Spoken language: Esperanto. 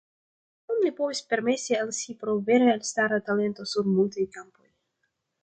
Tion li povis permesi al si pro vere elstara talento sur multaj kampoj.